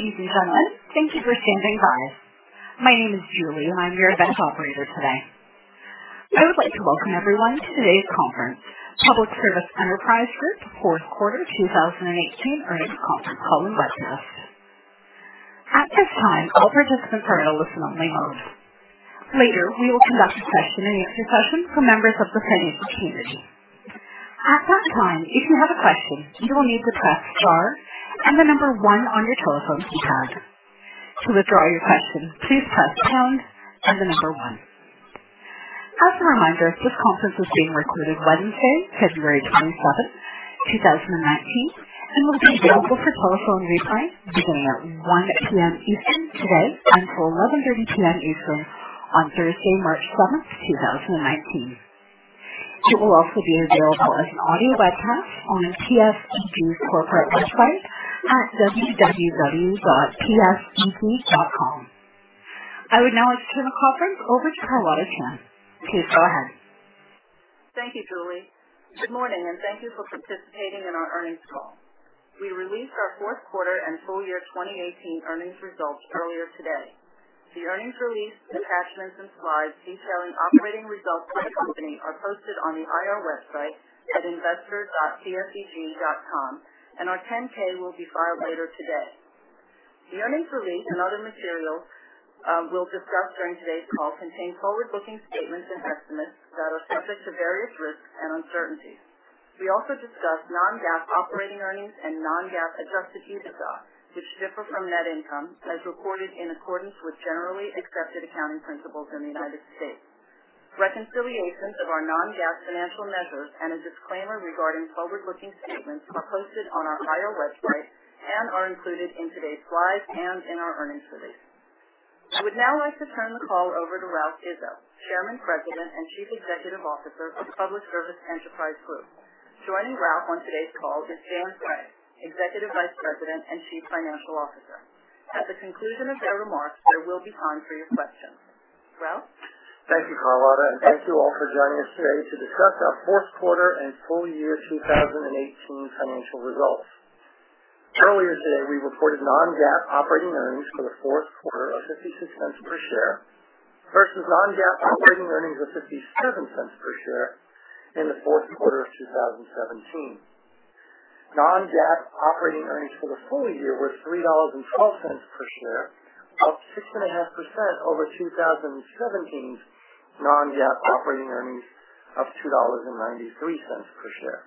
Ladies and gentlemen, thank you for standing by. My name is Julie, and I am your event operator today. I would like to welcome everyone to today's conference, Public Service Enterprise Group Fourth Quarter 2018 Earnings Conference Call and Webcast. At this time, all participants are in a listen-only mode. Later, we will conduct a question and answer session for members of the financial community. At that time, if you have a question, you will need to press star and the number one on your telephone keypad. To withdraw your question, please press pound and the number one. As a reminder, this conference is being recorded Wednesday, February 27, 2019, and will be available for telephone replay beginning at 1:00 P.M. Eastern today until 11:30 P.M. Eastern on Thursday, March 7, 2019. It will also be available as an audio webcast on PSEG's corporate website at www.pseg.com. I would now like to turn the conference over to Carlotta Chan. Please go ahead. Thank you, Julie. Good morning, and thank you for participating in our earnings call. We released our fourth quarter and full year 2018 earnings results earlier today. The earnings release, attachments, and slides detailing operating results for the company are posted on the IR website at investor.pseg.com, and our 10-K will be filed later today. The earnings release and other material we will discuss during today's call contain forward-looking statements and estimates that are subject to various risks and uncertainties. We also discuss non-GAAP operating earnings and non-GAAP adjusted EBITDA, which differ from net income as recorded in accordance with Generally Accepted Accounting Principles in the United States. Reconciliations of our non-GAAP financial measures and a disclaimer regarding forward-looking statements are posted on our IR website and are included in today's slides and in our earnings release. I would now like to turn the call over to Ralph Izzo, Chairman, President, and Chief Executive Officer of Public Service Enterprise Group. Joining Ralph on today's call is Dan Cregg, Executive Vice President and Chief Financial Officer. At the conclusion of their remarks, there will be time for your questions. Ralph? Thank you, Carlotta, and thank you all for joining us today to discuss our fourth quarter and full year 2018 financial results. Earlier today, we reported non-GAAP operating earnings for the fourth quarter of $0.56 per share versus non-GAAP operating earnings of $0.57 per share in the fourth quarter of 2017. Non-GAAP operating earnings for the full year were $3.12 per share, up 6.5% over 2017's non-GAAP operating earnings of $2.93 per share.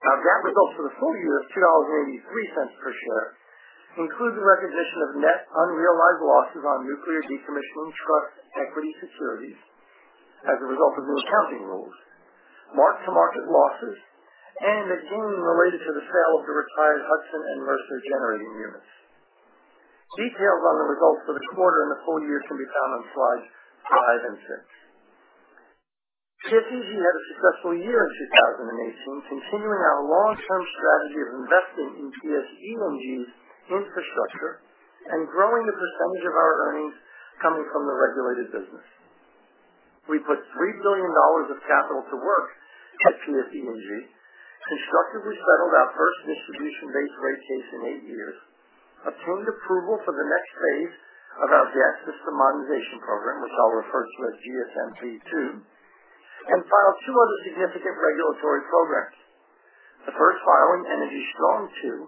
Our GAAP results for the full year of $2.83 per share include the recognition of net unrealized losses on nuclear decommissioning trust equity securities as a result of new accounting rules, mark-to-market losses, and a gain related to the sale of the retired Hudson and Mercer generating units. Details on the results for the quarter and the full year can be found on slides five and six. PSEG had a successful year in 2018, continuing our long-term strategy of investing in PSE&G's infrastructure and growing the percentage of our earnings coming from the regulated business. We put $3 billion of capital to work at PSE&G, constructively settled our first distribution-based rate case in 8 years, obtained approval for the next phase of our Gas System Modernization Program, which I'll refer to as GSMP II, and filed 2 other significant regulatory programs. The first filing, Energy Strong II,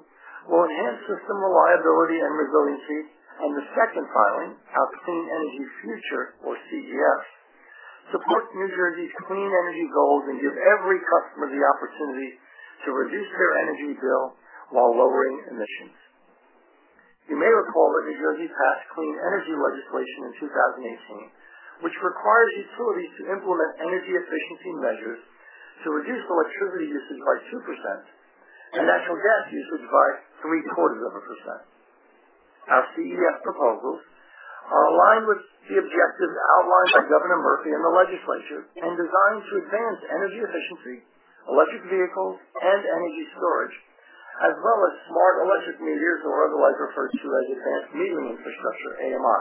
will enhance system reliability and resiliency, and the second filing, our Clean Energy Future or CEF, supports New Jersey's clean energy goals and gives every customer the opportunity to reduce their energy bill while lowering emissions. You may recall that New Jersey passed clean energy legislation in 2018, which requires utilities to implement energy efficiency measures to reduce electricity usage by 2% and natural gas usage by three-quarters of a percent. Our CEF proposals are aligned with the objectives outlined by Governor Murphy and the legislature and designed to advance energy efficiency, electric vehicles, and energy storage, as well as smart electric meters or otherwise referred to as advanced metering infrastructure, AMI,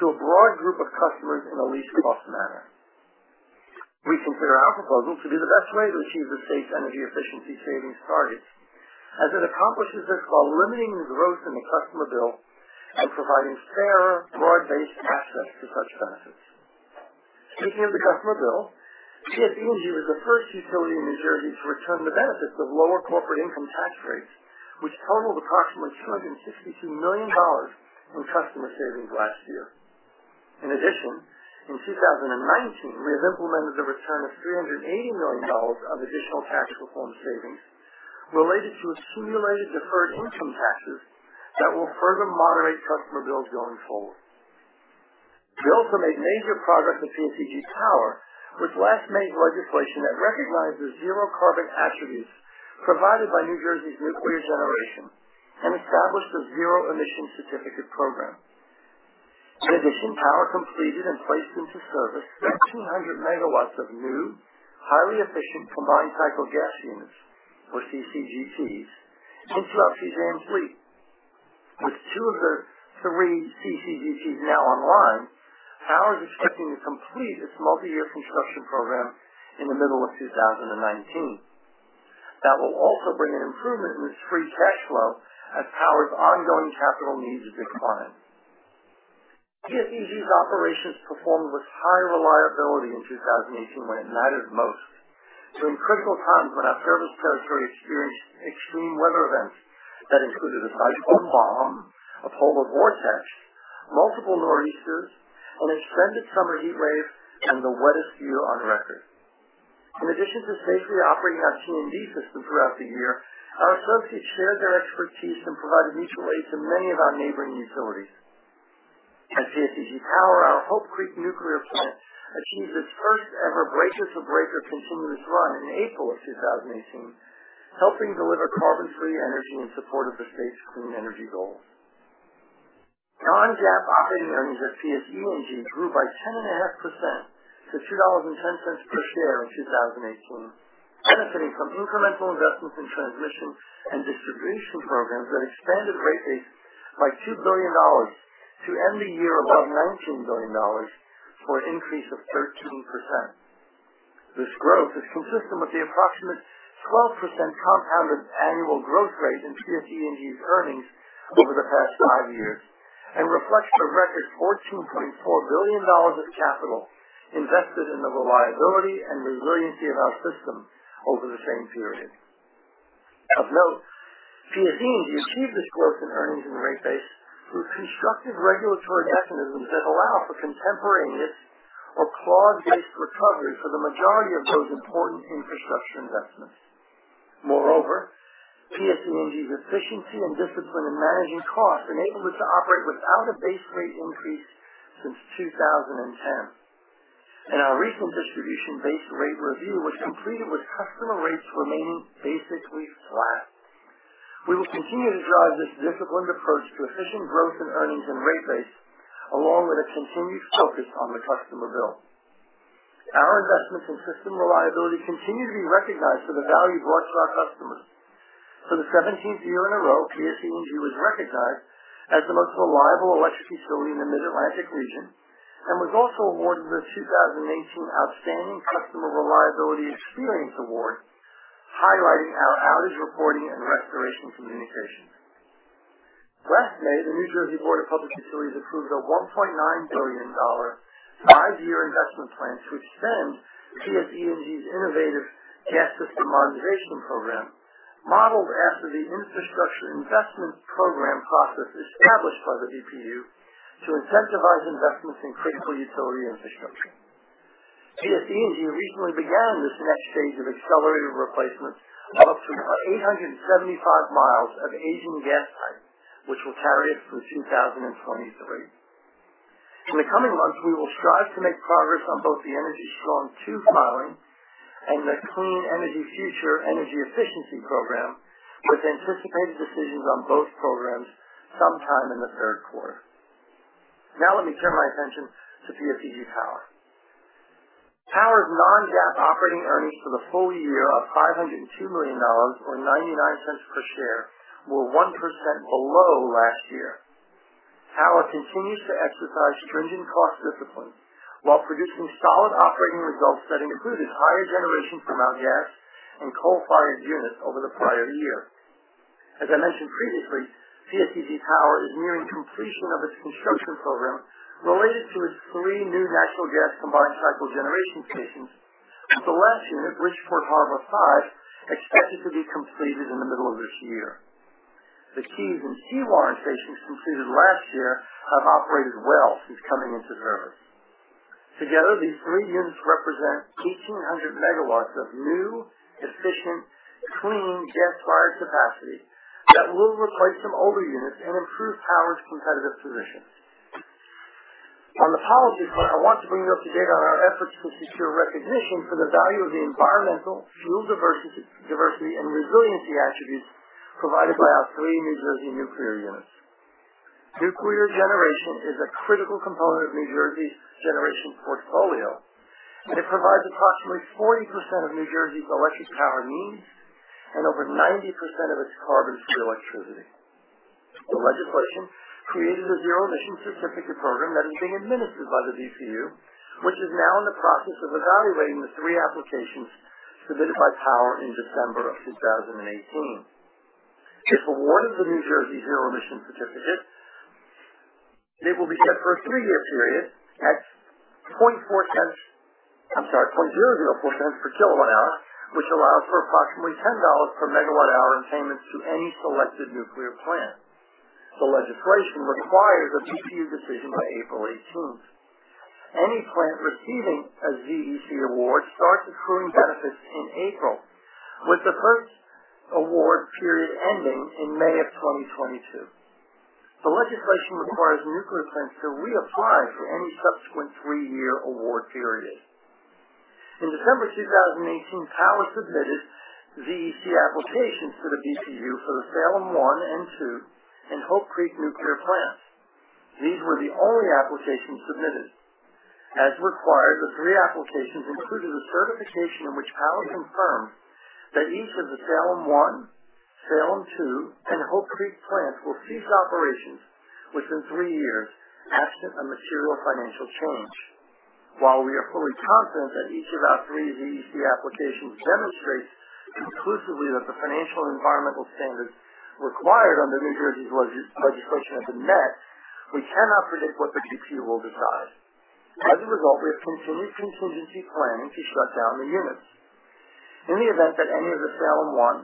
to a broad group of customers in the least-cost manner. We consider our proposal to be the best way to achieve the state's energy efficiency savings targets, as it accomplishes this while limiting the growth in the customer bill and providing fairer, broad-based access to such benefits. Speaking of the customer bill, PSEG was the first utility in New Jersey to return the benefits of lower corporate income tax rates, which totaled approximately $262 million in customer savings last year. In addition, in 2019, we have implemented the return of $380 million of additional tax reform savings related to accumulated deferred income taxes that will further moderate customer bills going forward. We also made major progress at PSEG Power, which last made legislation that recognized the zero-carbon attributes provided by New Jersey's nuclear generation and established a Zero Emission Certificate program. In addition, Power completed and placed into service 1,300 megawatts of new, highly efficient combined cycle gas units or CCGTs into our PSEG fleet. With 2 of the 3 CCGTs now online, Power is expecting to complete its multi-year construction program in the middle of 2019. That will also bring an improvement in its free cash flow as Power's ongoing capital needs decline. PSEG's operations performed with high reliability in 2018 when it mattered most, during critical times when our service territory experienced extreme weather events that included a bomb cyclone, a polar vortex, multiple nor'easters, an extended summer heatwave, and the wettest year on record. In addition to safely operating our T&D system throughout the year, our associates shared their expertise and provided mutual aid to many of our neighboring utilities. At PSEG Power, our Hope Creek Nuclear Plant achieved its first-ever breaker-to-breaker continuous run in April of 2018, helping deliver carbon-free energy in support of the state's clean energy goals. non-GAAP operating earnings at PSE&G grew by 10.5% to $2.10 per share in 2018, benefiting from incremental investments in transmission and distribution programs that expanded the rate base by $2 billion to end the year above $19 billion, for an increase of 13%. This growth is consistent with the approximate 12% compounded annual growth rate in PSE&G's earnings over the past five years and reflects the record $14.4 billion of capital invested in the reliability and resiliency of our system over the same period. Of note, PSE&G achieved this growth in earnings and rate base through constructive regulatory mechanisms that allow for contemporaneity or clause-based recovery for the majority of those important infrastructure investments. Moreover, PSE&G's efficiency and discipline in managing costs enabled us to operate without a base rate increase since 2010. Our recent distribution-based rate review was completed with customer rates remaining basically flat. We will continue to drive this disciplined approach to efficient growth in earnings and rate base, along with a continued focus on the customer bill. Our investments in system reliability continue to be recognized for the value brought to our customers. For the 17th year in a row, PSE&G was recognized as the most reliable electric utility in the Mid-Atlantic region and was also awarded the 2018 Outstanding Customer Reliability Experience Award, highlighting our outage reporting and restoration communication. Last May, the New Jersey Board of Public Utilities approved a $1.9 billion five-year investment plan to extend PSE&G's innovative Gas System Modernization Program, modeled after the infrastructure investment program process established by the BPU to incentivize investments in critical utility infrastructure. PSE&G recently began this next stage of accelerated replacement of up to 875 miles of aging gas pipe, which will carry it through 2023. In the coming months, we will strive to make progress on both the Energy Strong II filing and the Clean Energy Future Energy Efficiency program, with anticipated decisions on both programs sometime in the third quarter. Let me turn my attention to PSEG Power. Power's non-GAAP operating earnings for the full year of $502 million, or $0.99 per share, were 1% below last year. Power continues to exercise stringent cost discipline while producing solid operating results that included higher generation from our gas and coal-fired units over the prior year. As I mentioned previously, PSEG Power is nearing completion of its construction program related to its three new natural gas combined cycle generation stations, with the last unit, Bridgeport Harbor 5, expected to be completed in the middle of this year. The Keys and Sewaren stations completed last year have operated well since coming into service. Together, these three units represent 1,800 megawatts of new, efficient, clean gas-fired capacity that will replace some older units and improve Power's competitive position. On the policy front, I want to bring you up to date on our efforts to secure recognition for the value of the environmental, fuel diversity, and resiliency attributes provided by our three New Jersey nuclear units. Nuclear generation is a critical component of New Jersey's generation portfolio, and it provides approximately 40% of New Jersey's electric power needs and over 90% of its carbon-free electricity. The legislation created a Zero Emission Certificate program that is being administered by the BPU, which is now in the process of evaluating the three applications submitted by PSEG Power in December of 2018. If awarded the New Jersey Zero Emission Certificate, it will be set for a three-year period at $0.004 per kilowatt hour, which allows for approximately $10 per megawatt hour in payments to any selected nuclear plant. The legislation requires a BPU decision by April 18th. Any plant receiving a ZEC award starts accruing benefits in April, with the first award period ending in May of 2022. The legislation requires nuclear plants to reapply for any subsequent three-year award period. In December 2018, PSEG Power submitted ZEC applications to the BPU for the Salem 1 and 2 and Hope Creek nuclear plants. These were the only applications submitted. As required, the three applications included a certification in which PSEG Power confirmed that each of the Salem One, Salem Two, and Hope Creek plants will cease operations within three years absent a material financial change. While we are fully confident that each of our three ZEC applications demonstrates conclusively that the financial and environmental standards required under New Jersey's legislation have been met, we cannot predict what the BPU will decide. As a result, we have continued contingency planning to shut down the units. In the event that any of the Salem One,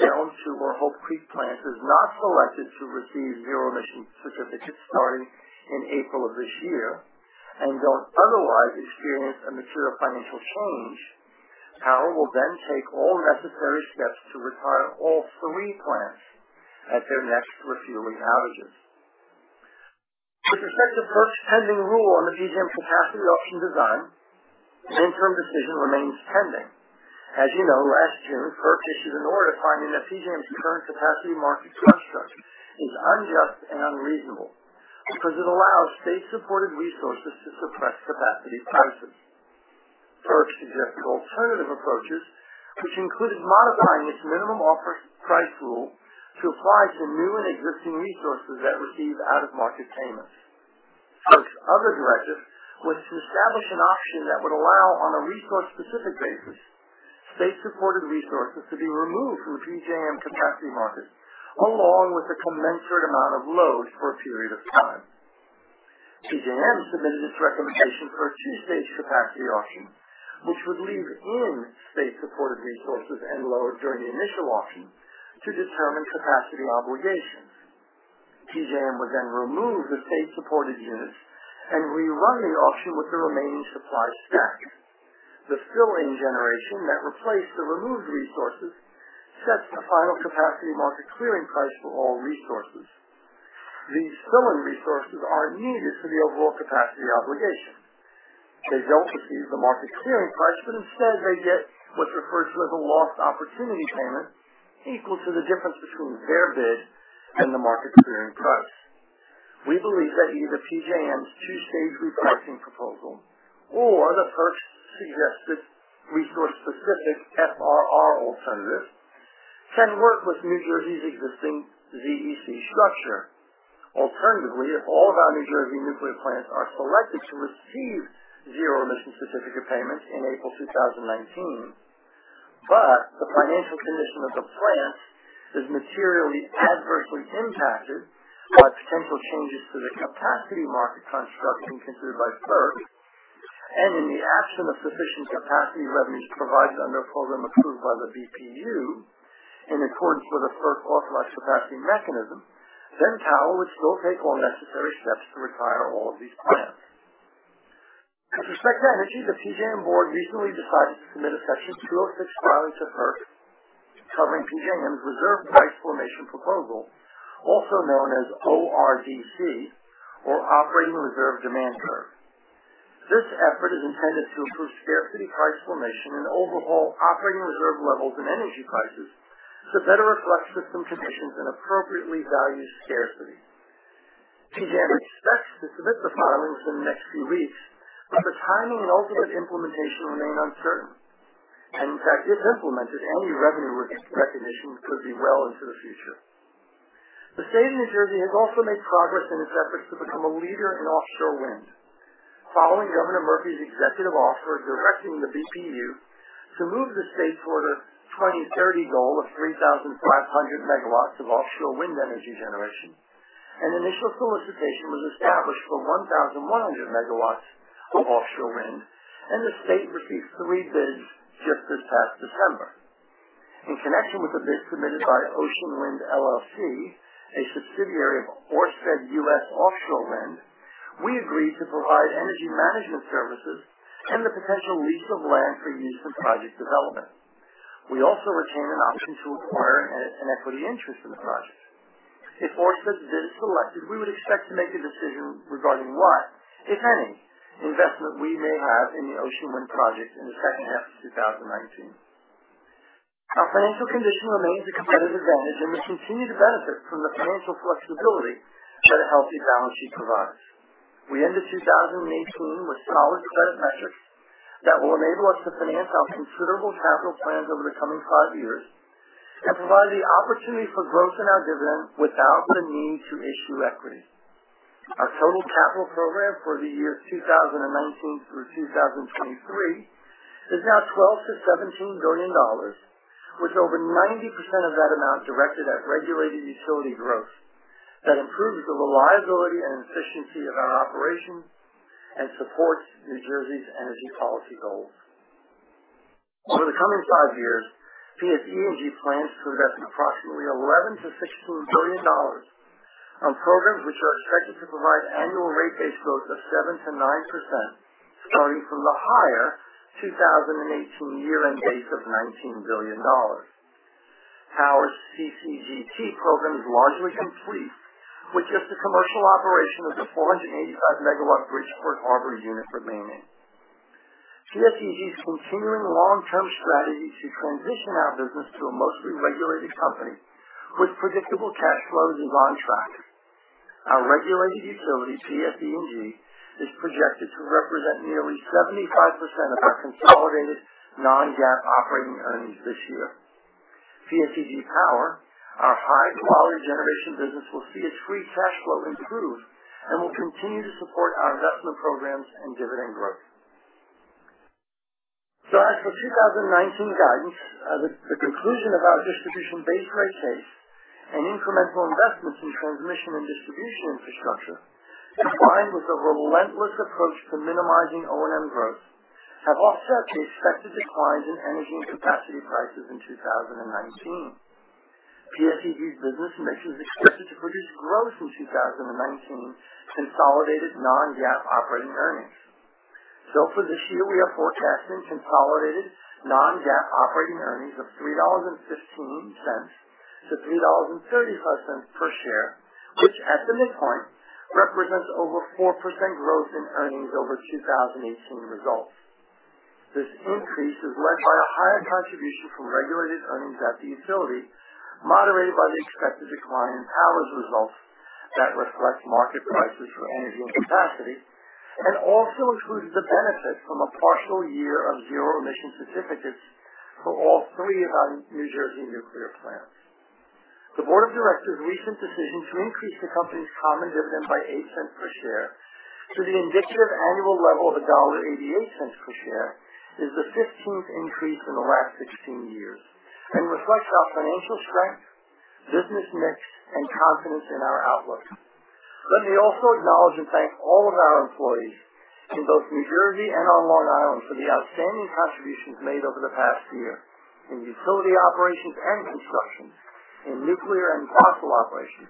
Salem Two, or Hope Creek plants is not selected to receive Zero Emission Certificates starting in April of this year and don't otherwise experience a material financial change, PSEG Power will then take all necessary steps to retire all three plants at their next refueling outages. With respect to FERC's pending rule on the PJM capacity auction design, an interim decision remains pending. As you know, last June, FERC issued an order finding that PJM's current capacity market structure is unjust and unreasonable because it allows state-supported resources to suppress capacity prices. FERC suggested alternative approaches, which included modifying its Minimum Offer Price Rule to apply to new and existing resources that receive out-of-market payments. FERC's other directive was to establish an option that would allow, on a resource-specific basis, state-supported resources to be removed from PJM capacity markets, along with a commensurate amount of load for a period of time. PJM submitted its recommendation for a two-stage capacity auction, which would leave in state-supported resources and load during the initial auction to determine capacity obligations. PJM would then remove the state-supported units and rerun the auction with the remaining supply stack. The fill-in generation that replaced the removed resources sets the final capacity market clearing price for all resources. These fill-in resources are needed to meet overall capacity obligation. They don't receive the market clearing price, but instead, they get what's referred to as a lost opportunity payment equal to the difference between their bid and the market clearing price. We believe that either PJM's 2-stage repurposing proposal or the FERC's suggested resource-specific FRR alternative can work with New Jersey's existing ZEC structure. Alternatively, if all of our New Jersey nuclear plants are selected to receive Zero Emission Certificate payments in April 2019, but the financial condition of the plant is materially adversely impacted by potential changes to the capacity market construction considered by FERC, and in the absence of sufficient capacity revenues provided under a program approved by the BPU in accordance with a FERC-authorized capacity mechanism, then Power would still take all necessary steps to retire all of these plants. With respect to energy, the PJM board recently decided to submit a Section 206 filing to FERC covering PJM's reserve price formation proposal, also known as ORDC or Operating Reserve Demand Curve. This effort is intended to improve scarcity price formation and overhaul operating reserve levels and energy prices to better reflect system conditions and appropriately value scarcity. PJM expects to submit the filings in the next few weeks, but the timing and ultimate implementation remain uncertain. In fact, if implemented, any revenue recognition could be well into the future. The state of New Jersey has also made progress in its efforts to become a leader in offshore wind. Following Governor Murphy's executive order directing the BPU to move the state toward a 2030 goal of 3,500 megawatts of offshore wind energy generation, an initial solicitation was established for 1,100 megawatts of offshore wind, and the state received three bids just this past December. In connection with the bid submitted by Ocean Wind LLC, a subsidiary of Ørsted US Offshore Wind, we agreed to provide energy management services and the potential lease of land for use in project development. We also retain an option to acquire an equity interest in the project. If Ørsted's bid is selected, we would expect to make a decision regarding what, if any, investment we may have in the Ocean Wind project in the second half of 2019. Our financial condition remains a competitive advantage, and we continue to benefit from the financial flexibility that a healthy balance sheet provides. We ended 2018 with solid credit metrics that will enable us to finance our considerable capital plans over the coming five years and provide the opportunity for growth in our dividend without the need to issue equity. Our total capital program for the years 2019 through 2023 is now $12 billion-$17 billion, with over 90% of that amount directed at regulated utility growth that improves the reliability and efficiency of our operations and supports New Jersey's energy policy goals. Over the coming five years, PSE&G plans to invest approximately $11 billion-$16 billion on programs which are expected to provide annual rate base growth of 7%-9%, starting from the higher 2018 year-end base of $19 billion. Power's CCGT program is largely complete, with just the commercial operation of the 485-megawatt Bridgeport Harbor Unit remaining. PSEG's continuing long-term strategy to transition our business to a mostly regulated company with predictable cash flows is on track. Our regulated utility, PSE&G, is projected to represent nearly 75% of our consolidated non-GAAP operating earnings this year. PSEG Power, our high-quality generation business, will see its free cash flow improve and will continue to support our investment programs and dividend growth. As for 2019 guidance, the conclusion of our distribution base rate case and incremental investments in transmission and distribution infrastructure, combined with a relentless approach to minimizing O&M growth, have offset the expected declines in energy and capacity prices in 2019. PSEG's business mix is expected to produce growth in 2019 consolidated non-GAAP operating earnings. For this year, we are forecasting consolidated non-GAAP operating earnings of $3.15-$3.35 per share, which at the midpoint, represents over 4% growth in earnings over 2018 results. This increase is led by a higher contribution from regulated earnings at the utility, moderated by the expected decline in Power's results that reflect market prices for energy and capacity, and also includes the benefit from a partial year of Zero Emission Certificates for all three of our New Jersey nuclear plants. The board of directors' recent decision to increase the company's common dividend by $0.08 per share to the indicative annual level of $1.88 per share is the 15th increase in the last 16 years and reflects our financial strength, business mix, and confidence in our outlook. Let me also acknowledge and thank all of our employees in both New Jersey and on Long Island for the outstanding contributions made over the past year in utility operations and construction, in nuclear and fossil operations,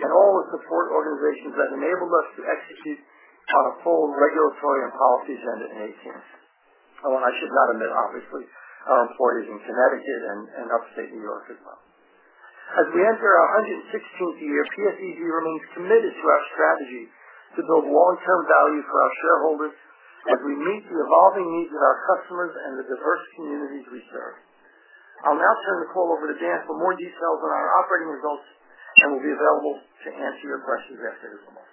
and all the support organizations that enabled us to execute on a full regulatory and policy agenda in 2018. I should not omit, obviously, our employees in Connecticut and Upstate New York as well. As we enter our 116th year, PSEG remains committed to our strategy to build long-term value for our shareholders as we meet the evolving needs of our customers and the diverse communities we serve. I'll now turn the call over to Dan for more details on our operating results and will be available to answer your questions after his remarks.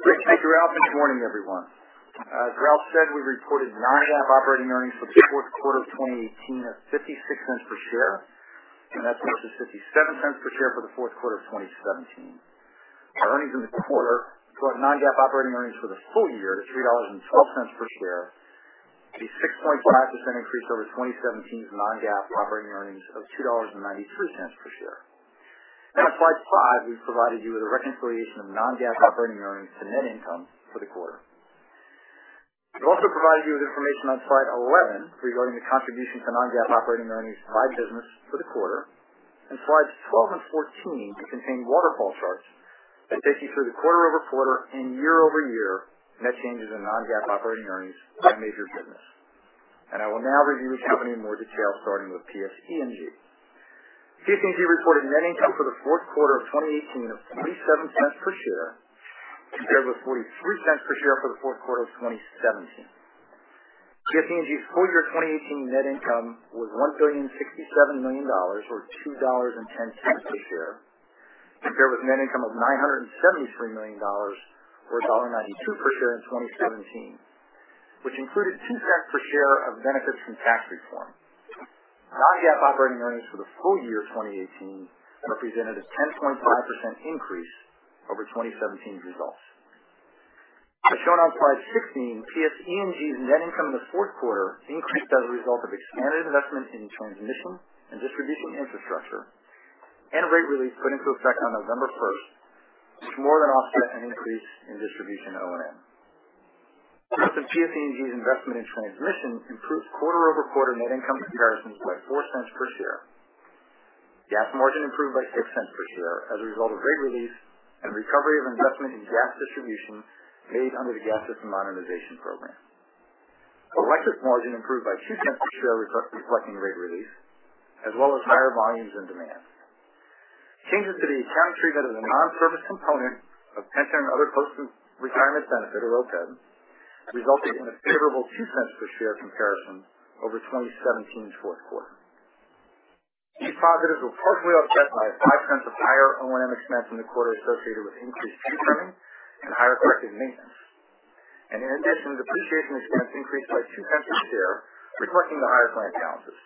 Great, thank you, Ralph. Good morning, everyone. As Ralph said, we reported non-GAAP operating earnings for the fourth quarter of 2018 of $0.56 per share, versus $0.57 per share for the fourth quarter of 2017. Our earnings in the quarter drove non-GAAP operating earnings for the full year to $3.12 per share, a 6.5% increase over 2017's non-GAAP operating earnings of $2.93 per share. On slide five, we've provided you with a reconciliation of non-GAAP operating earnings to net income for the quarter. We've also provided you with information on slide 11 regarding the contribution to non-GAAP operating earnings by business for the quarter, and slides 12 and 14 contain waterfall charts that take you through the quarter-over-quarter and year-over-year net changes in non-GAAP operating earnings by major business. I will now review each company in more detail, starting with PSE&G. PSE&G reported net income for the fourth quarter of 2018 of $0.47 per share, compared with $0.43 per share for the fourth quarter of 2017. PSE&G's full-year 2018 net income was $1.067 billion, or $2.10 per share, compared with net income of $973 million, or $1.92 per share in 2017, which included $0.02 per share of benefits from tax reform. Non-GAAP operating earnings for the full year 2018 represented a 10.5% increase over 2017 results. As shown on slide 16, PSE&G's net income in the fourth quarter increased as a result of expanded investment in transmission and distribution infrastructure and a rate release put into effect on November 1st, which more than offset an increase in distribution O&M. The growth in PSE&G's investment in transmission improves quarter-over-quarter net income comparison by $0.04 per share. Gas margin improved by $0.06 per share as a result of rate release and recovery of investment in gas distribution made under the Gas System Modernization Program. Electric margin improved by $0.02 per share, reflecting rate release as well as higher volumes and demand. Changes to the accounting treatment of the non-service component of pension and other post-retirement benefit, or OPEB, resulted in a favorable $0.02 per share comparison over 2017's fourth quarter. These positives were partially offset by $0.05 of higher O&M expense in the quarter associated with increased tree trimming and higher corrective maintenance. In addition, depreciation expense increased by $0.02 per share, reflecting the higher plant balances.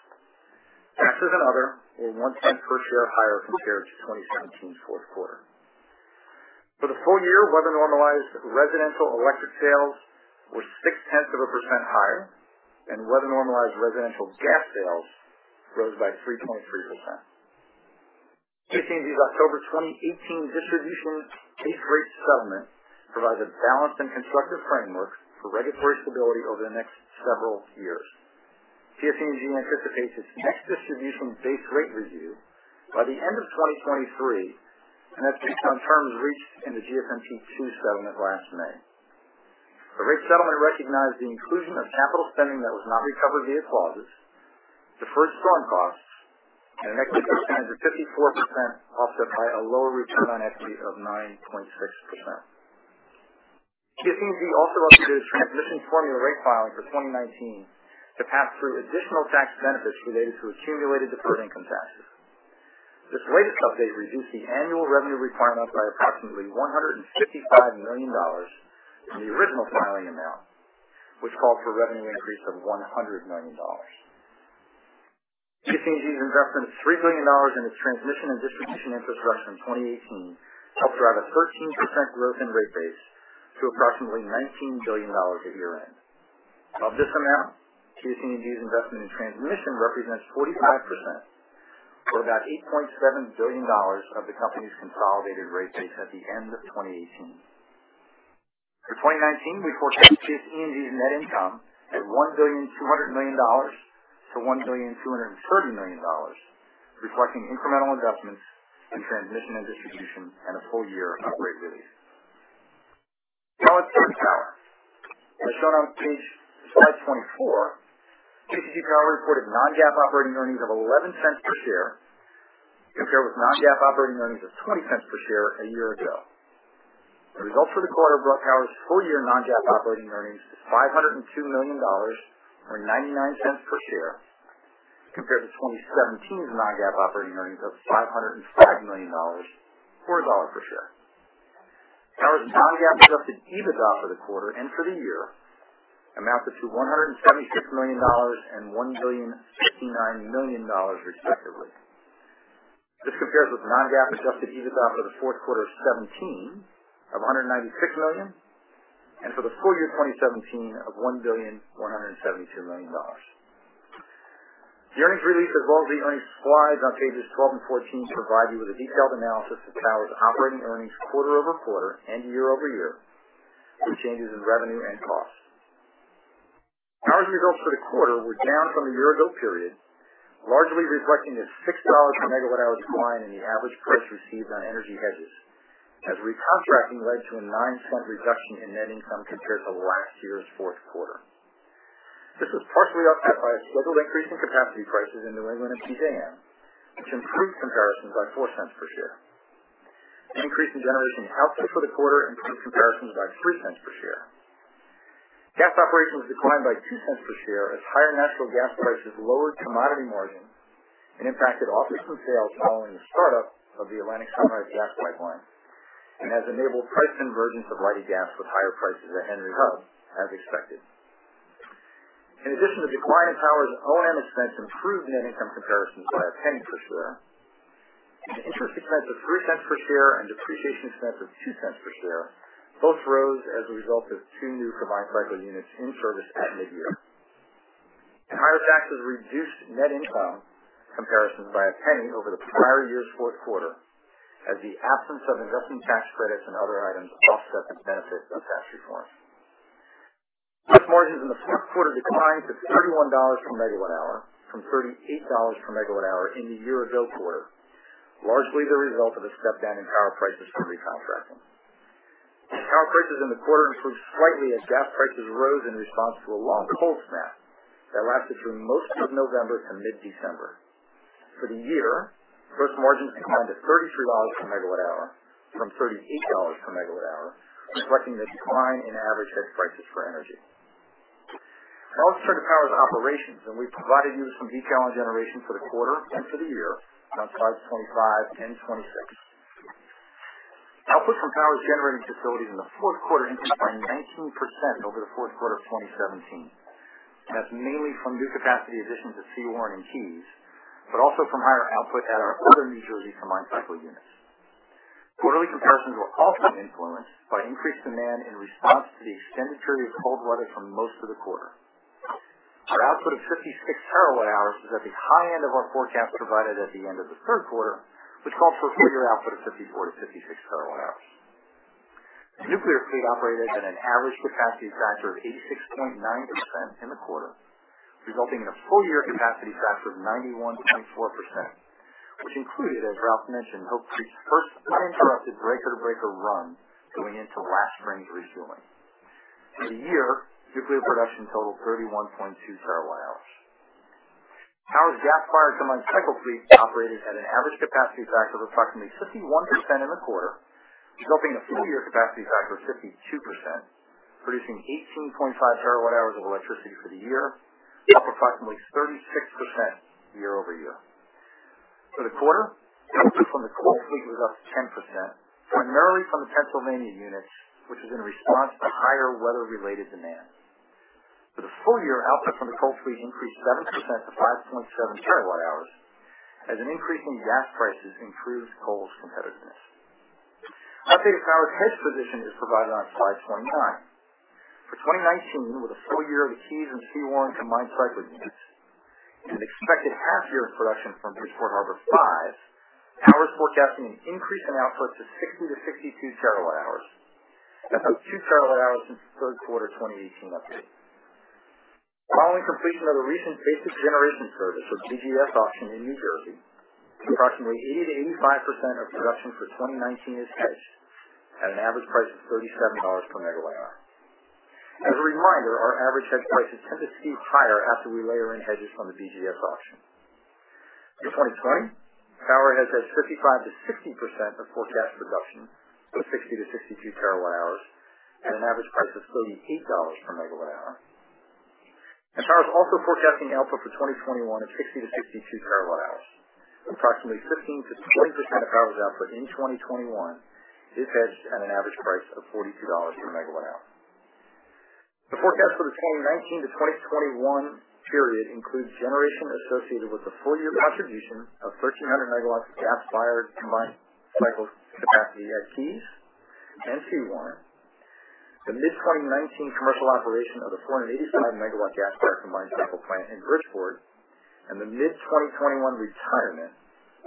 Taxes and other were $0.01 per share higher compared to 2017's fourth quarter. For the full year, weather-normalized residential electric sales were 0.6% higher, and weather-normalized residential gas sales rose by 3.3%. PSE&G's October 2018 distribution base rate settlement provides a balanced and constructive framework for regulatory stability over the next several years. PSE&G anticipates its next distribution base rate review by the end of 2023 and has based on terms reached in the GSMP II settlement last May. The rate settlement recognized the inclusion of capital spending that was not recovered via clauses The first storm costs and an extra expense of 54%, offset by a lower return on equity of 9.6%. PSE&G also updated its transmission formula rate filing for 2019 to pass through additional tax benefits related to accumulated deferred income taxes. This latest update reduced the annual revenue requirement by approximately $155 million in the original filing amount, which called for a revenue increase of $100 million. PSE&G investment of $3 billion in its transmission and distribution infrastructure in 2018 helped drive a 13% growth in rate base to approximately $19 billion at year-end. Of this amount, PSE&G investment in transmission represents 45%, or about $8.7 billion of the company's consolidated rate base at the end of 2018. For 2019, we forecast PSE&G net income at $1.2 billion-$1.230 billion, reflecting incremental investments in transmission and distribution and a full year of rate relief. Let's turn to Power. As shown on slide 24, PSEG Power reported non-GAAP operating earnings of $0.11 per share compared with non-GAAP operating earnings of $0.20 per share a year ago. The results for the quarter brought Power's full-year non-GAAP operating earnings to $502 million, or $0.99 per share, compared to 2017's non-GAAP operating earnings of $505 million, $4 per share. Power's non-GAAP adjusted EBITDA for the quarter and for the year amounted to $176 million and $1.059 billion respectively. This compares with non-GAAP adjusted EBITDA for the fourth quarter of 2017 of $196 million, and for the full year 2017 of $1.172 billion. The earnings release, as well as the earnings slides on pages 12 and 14, provide you with a detailed analysis of PSEG Power's operating earnings quarter-over-quarter and year-over-year through changes in revenue and costs. PSEG Power's results for the quarter were down from a year ago period, largely reflecting a $6 per megawatt-hour decline in the average price received on energy hedges, as recontracting led to a $0.09 reduction in net income compared to last year's fourth quarter. This was partially offset by a subtle increase in capacity prices in the ISO New England, which improved comparisons by $0.04 per share. An increase in generation output for the quarter improved comparisons by $0.03 per share. Gas operations declined by $0.02 per share as higher natural gas prices lowered commodity margins and impacted offers from sales following the startup of the Atlantic Sunrise Pipeline, and has enabled pricing convergence of Leidy gas with higher prices at Henry Hub, as expected. In addition to declining PSEG Power's O&M expense improved net income comparisons by $0.01 per share. Interest expense of $0.03 per share and depreciation expense of $0.02 per share both rose as a result of two new combined cycle units in service at mid-year. Higher taxes reduced net income comparisons by $0.01 over the prior year's fourth quarter, as the absence of investing cash credits and other items offset the benefits of tax reform. Price margins in the fourth quarter declined to $31 per megawatt-hour from $38 per megawatt-hour in the year-ago quarter, largely the result of a step down in PSEG Power prices for recontracting. PSEG Power prices in the quarter improved slightly as gas prices rose in response to a long cold snap that lasted through most of November to mid-December. For the year, gross margins declined to $33 per megawatt-hour from $38 per megawatt-hour, reflecting the decline in average hedge prices for energy. Let's turn to PSEG Power's operations, and we've provided you with some detail on generation for the quarter and for the year on slides 25 and 26. Output from PSEG Power's generating facilities in the fourth quarter increased by 19% over the fourth quarter of 2017. That's mainly from new capacity additions at Sewaren and Keys, but also from higher output at our older New Jersey combined cycle units. Quarterly comparisons were also influenced by increased demand in response to the extended period of cold weather for most of the quarter. Our output of 56 terawatt-hours is at the high end of our forecast provided at the end of the third quarter, which called for a full-year output of 54-56 terawatt-hours. The nuclear fleet operated at an average capacity factor of 86.9% in the quarter, resulting in a full-year capacity factor of 91.4%, which included, as Ralph mentioned, Hope Creek's first uninterrupted breaker-to-breaker run going into last spring's refueling. For the year, nuclear production totaled 31.2 terawatt-hours. Power's gas-fired combined cycle fleet operated at an average capacity factor of approximately 51% in the quarter, resulting in a full-year capacity factor of 52%, producing 18.5 terawatt hours of electricity for the year, up approximately 36% year-over-year. For the quarter, output from the coal fleet was up 10%, primarily from the Pennsylvania units, which is in response to higher weather-related demand. For the full year, output from the coal fleet increased 7% to 5.7 terawatt hours as an increase in gas prices improved coal's competitiveness. An update of PSEG Power's hedge position is provided on slide 29. For 2019, with a full year of Keys and Sewaren combined cycle units and an expected half year of production from Bridgeport Harbor 5, PSEG Power is forecasting an increase in output to 60-62 terawatt hours. That's up 2 terawatt hours since the third quarter 2018 update. Following completion of the recent Basic Generation Service or BGS auction in New Jersey, approximately 80%-85% of production for 2019 is hedged at an average price of $37 per megawatt-hour. A reminder, our average hedge prices tend to skew higher after we layer in hedges from the BGS auction. In 2020, PSEG Power has hedged 55%-60% of forecast production to 60-62 terawatt-hours at an average price of $38 per megawatt-hour. PSEG Power is also forecasting output for 2021 of 60-62 terawatt-hours. Approximately 15%-20% of PSEG Power's output in 2021 is hedged at an average price of $42 per megawatt-hour. The forecast for the 2019-2021 period includes generation associated with the full year contribution of 1,300 megawatts of gas-fired combined cycle capacity at Keys and Sewaren, the mid-2019 commercial operation of the 485-megawatt gas-fired combined cycle plant in Bridgeport, and the mid-2021 retirement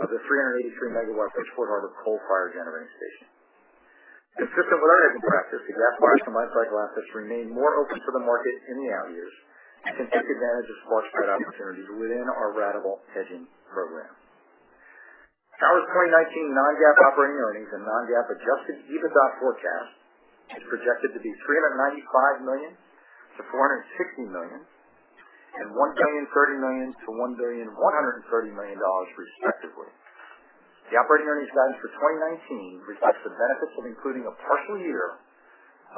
of the 383-megawatt Bridgeport Harbor coal-fired generating station. Consistent with our hedging practice, the gas-fired combined cycle assets remain more open to the market in the out-years and can take advantage of spot spread opportunities within our ratable hedging program. PSEG Power's 2019 non-GAAP operating earnings and non-GAAP adjusted EBITDA forecast is projected to be $395 million-$460 million and $1 billion-$1.130 billion respectively. The operating earnings guidance for 2019 reflects the benefits of including a partial year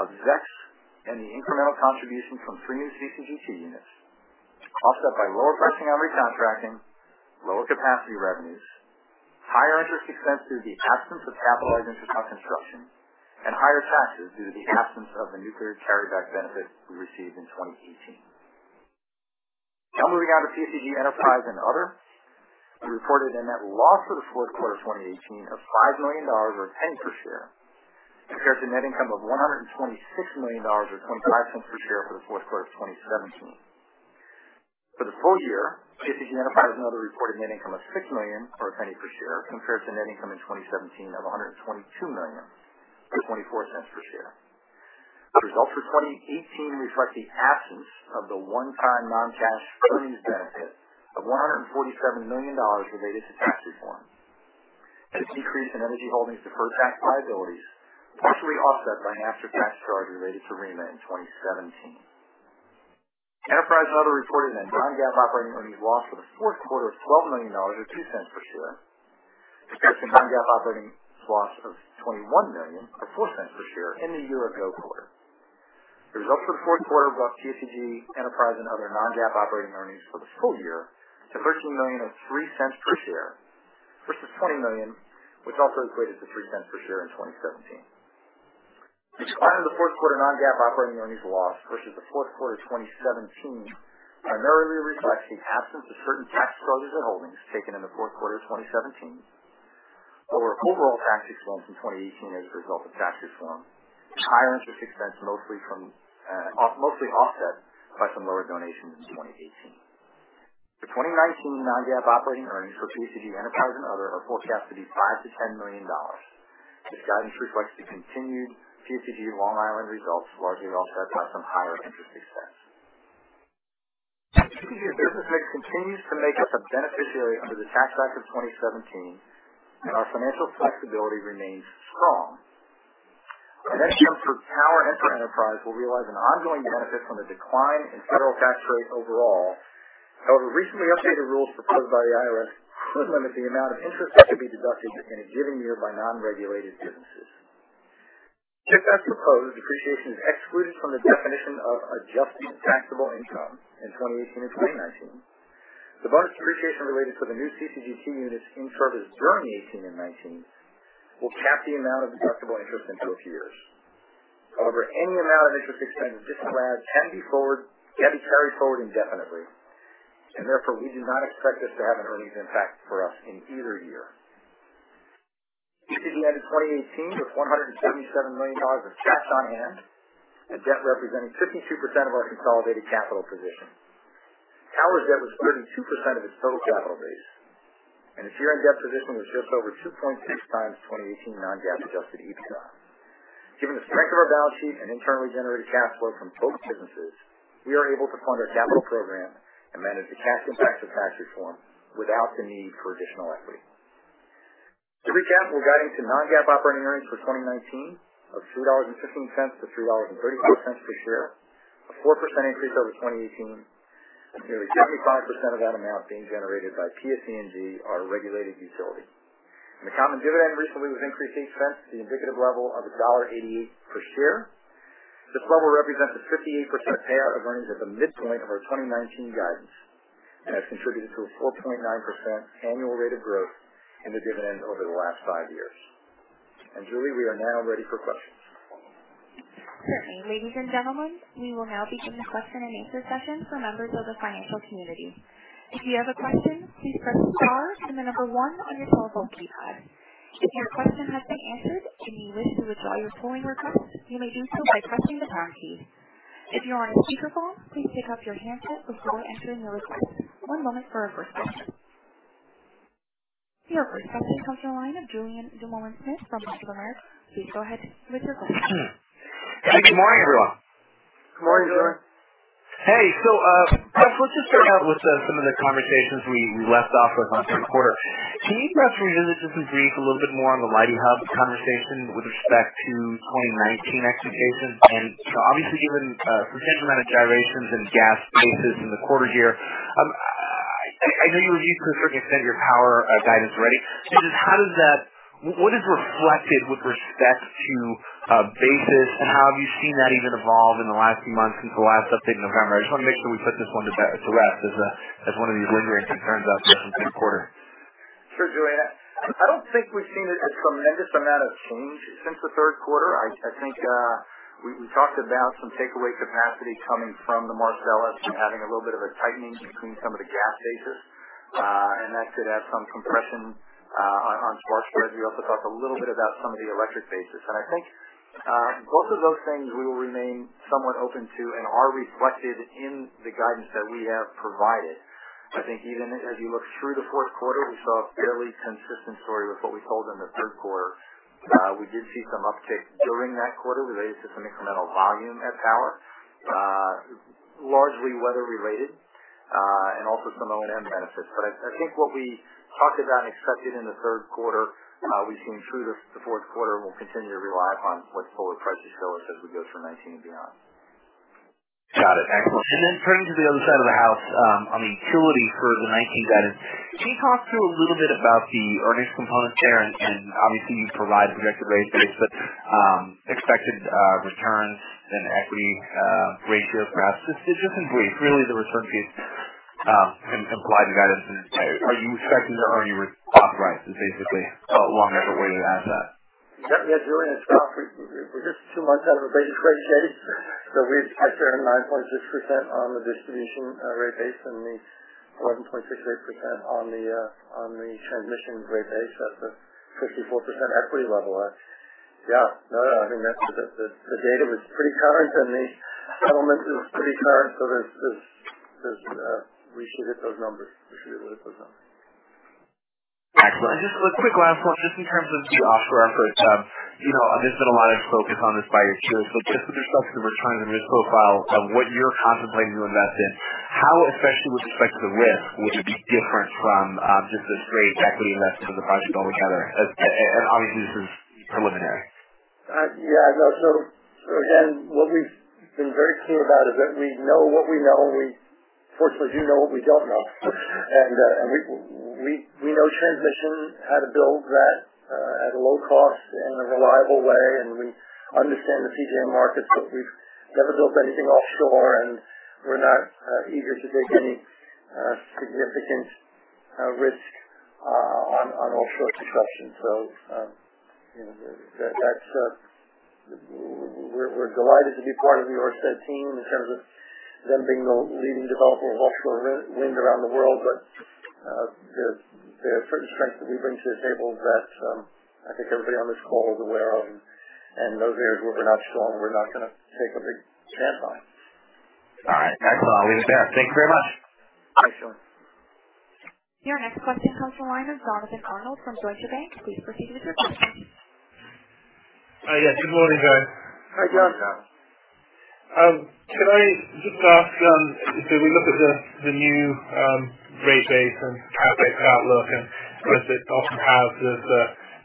of ZECs and the incremental contribution from three new CCGT units, offset by lower pricing on recontracting, lower capacity revenues, higher interest expense through the absence of capitalized interest on construction, and higher taxes due to the absence of the nuclear carryback benefit we received in 2018. Moving on to PSEG Enterprise and other. We reported a net loss for the fourth quarter 2018 of $5 million, or $0.10 per share, compared to net income of $126 million or $0.25 per share for the fourth quarter of 2017. For the full year, PSEG Enterprise and other reported net income of $6 million, or $0.10 per share, compared to net income in 2017 of $122 million or $0.24 per share. The results for 2018 reflect the absence of the one-time non-cash [inaudible] benefit of $147 million related to tax reform. This decrease in Energy Holdings deferred tax liabilities, partially offset by an extra tax charge related to REMA in 2017. PSEG Enterprise and Other reported a non-GAAP operating earnings loss for the fourth quarter of $12 million, or $0.02 per share, compared to non-GAAP operating loss of $21 million or $0.04 per share in the year-ago quarter. The results for the fourth quarter brought PSEG Enterprise and Other non-GAAP operating earnings for the full year to $13 million, or $0.03 per share, versus $20 million, which also equated to $0.03 per share in 2017. The decline in the fourth quarter non-GAAP operating earnings loss versus the fourth quarter 2017 primarily reflects the absence of certain tax charges at Holdings taken in the fourth quarter of 2017. Lower overall tax expense in 2018 as a result of tax reform. Higher interest expense mostly offset by some lower donations in 2018. The 2019 non-GAAP operating earnings for PSEG Enterprise and Other are forecast to be $5 million to $10 million. This guidance reflects the continued PSEG Long Island results, largely offset by some higher interest expense. PSEG's business mix continues to make us a beneficiary under the Tax Act of 2017, and our financial flexibility remains strong. In addition to Power and Enterprise, we'll realize an ongoing benefit from the decline in federal tax rates overall. However, recently updated rules proposed by the IRS would limit the amount of interest that could be deducted in a given year by non-regulated businesses. If that's proposed, depreciation is excluded from the definition of adjusted taxable income in 2018 and 2019. The bonus depreciation related to the new CCGT units in service during 2018 and 2019 will cap the amount of deductible interest into a few years. However, any amount of interest expense disallowed can be carried forward indefinitely, and therefore, we do not expect this to have an earnings impact for us in either year. PSEG ended 2018 with $177 million of cash on hand and debt representing 52% of our consolidated capital position. Power's debt was 32% of its total capital base, and the share of debt position was just over 2.6 times 2018 non-GAAP-adjusted EBITDA. Given the strength of our balance sheet and internally generated cash flow from both businesses, we are able to fund our capital program and manage the cash impacts of tax reform without the need for additional equity. To recap, we're guiding to non-GAAP operating earnings for 2019 of $3.15 to $3.35 per share, a 4% increase over 2018, and nearly 75% of that amount being generated by PSE&G, our regulated utility. The common dividend recently was increased $0.08 to the indicative level of $1.88 per share. This level represents a 58% payout of earnings at the midpoint of our 2019 guidance and has contributed to a 4.9% annual rate of growth in the dividend over the last five years. Julie, we are now ready for questions. Certainly. Ladies and gentlemen, we will now begin the question-and-answer session for members of the financial community. If you have a question, please press star and the 1 on your telephone keypad. If your question has been answered and you wish to withdraw your polling request, you may do so by pressing the pound key. If you're on a speakerphone, please pick up your handset before entering the request. One moment for our first question. Your first question comes on the line, Julien Dumoulin-Smith from Bank of America. Please go ahead with your question. Good morning, everyone. Good morning, Julien. Hey. First, let's just start out with some of the conversations we left off with last third quarter. Can you perhaps revisit, just in brief, a little bit more on the Lighthouse conversation with respect to 2019 expectations? Obviously, given the potential amount of gyrations in gas basis in the quarter here, I know you reviewed to a certain extent your power guidance already. What is reflected with respect to basis? How have you seen that even evolve in the last few months since the last update in November? I want to make sure we set this one to rest as one of these lingering concerns in third quarter. Sure, Julien. I don't think we've seen a tremendous amount of change since the third quarter. I think we talked about some takeaway capacity coming from the Marcellus and having a little bit of a tightening between some of the gas basis. That could add some compression on spark spread. We also talked a little bit about some of the electric basis. I think both of those things we will remain somewhat open to and are reflected in the guidance that we have provided. I think even as you look through the fourth quarter, we saw a fairly consistent story with what we told in the third quarter. We did see some uptick during that quarter related to some incremental volume at power. Largely weather-related, and also some O&M benefits. I think what we talked about and expected in the third quarter, we've seen through the fourth quarter, and we'll continue to rely upon what forward prices tell us as we go through 2019 and beyond. Got it. Excellent. Then turning to the other side of the house. On the utility for the 2019 guidance, can you talk through a little bit about the earnings components there? Obviously, you provide projected rate base, but expected returns and equity ratio perhaps. Just in brief, really the return piece and implied guidance. Are you expecting to earn your authorized is basically a longer way to ask that. Julien, we're just two months out of a rate case date. We expect to earn 9.6% on the distribution rate base and the 11.68% on the transmission rate base at the 54% equity level. I think that the data is pretty current, the settlement is pretty current. We should hit those numbers. Excellent. Just a quick last one, just in terms of the offshore effort. There's been a lot of focus on this by utilities. Just with respect to the return and risk profile of what you're contemplating to invest in, how, especially with respect to the risk, would it be different from just a straight equity investment in the project altogether? Obviously, this is preliminary. Yeah. No. What we've been very clear about is that we know what we know, and we fortunately do know what we don't know. We know transmission, how to build that at a low cost and in a reliable way. We understand the PJM market. We've never built anything offshore, and we're not eager to take any significant risk on offshore succession. We're delighted to be part of the Ørsted team in terms of them being the leading developer of offshore wind around the world. There are certain strengths that we bring to the table that I think everybody on this call is aware of. Those areas where we're not strong, we're not going to take a big stand on. All right. Excellent. Leave it there. Thank you very much. Thanks, Julien. Your next question comes from the line of Jonathan Arnold from Deutsche Bank. Please proceed with your question. Yes. Good morning, guys. Hi, Jonathan. Can I just ask, if we look at the new rate base and capacity outlook and Ørsted often has